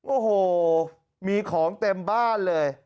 โอ้โหมีของเต็มบ้านเลย